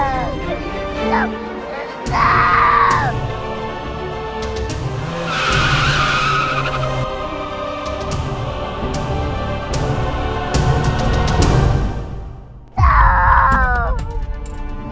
tapi biar mama tau